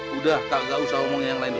udah kak gak usah omongin yang lain dulu